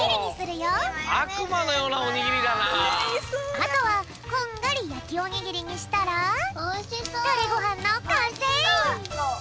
あとはこんがりやきおにぎりにしたらタレごはんのかんせい！